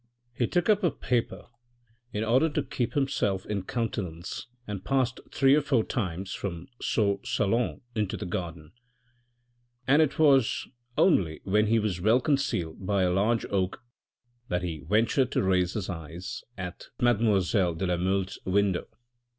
He took up a paper in order to keep Iimself in countenance and passed three or four times from soe salon into the garden. tnd was only when he was well concealed by a large oak atiwtwas trembling all over, that he ventured to raise his eyes et mademoiselle de la Mole's window.